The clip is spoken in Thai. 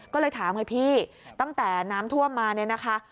ก็เลยถามไงพี่ตั้งแต่น้ำท่วมมาเนี่ยนะคะ